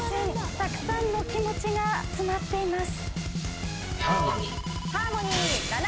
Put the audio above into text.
たくさんの気持ちが詰まっています。